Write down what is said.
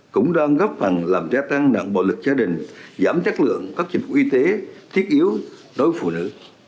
cũng đang góp phần làm gia tăng nặng bạo lực gia đình giảm chất lượng các dịch vụ y tế thiết yếu đối với phụ nữ